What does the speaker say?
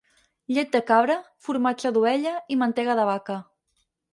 Llet de cabra, formatge d'ovella i mantega de vaca.